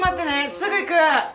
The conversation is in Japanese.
すぐ行く！